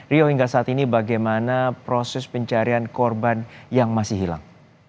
rio hingga saat ini bagaimana proses pencarian korban yang masih hilang